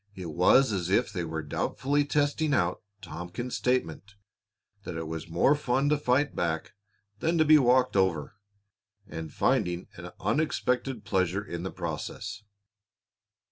It was as if they were doubtfully testing out Tompkins's statement that it was more fun to fight back than to be walked over, and finding an unexpected pleasure in the process.